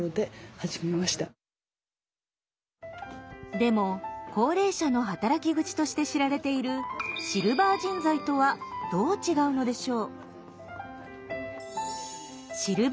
でも高齢者の働き口として知られているシルバー人材とはどう違うのでしょう？